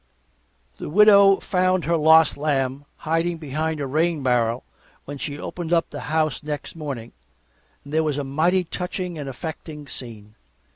The Widow found her "lost lamb" hiding behind a rain barrel when she opened up the house next morning, and there was a mighty touching and affecting scene.